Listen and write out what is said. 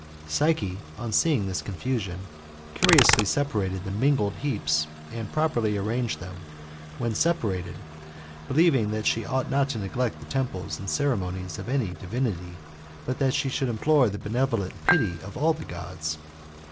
Psyche, on seeing this confusion, curiously separated the mingled heaps, and properly arranged them, when separated, believing that she ought not to neglect the temples and ceremonies of any divinity, but that she should implore the benevolent pity of all the Gods.